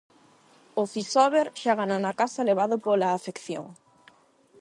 O Fisober xa gana na casa levado pola afección.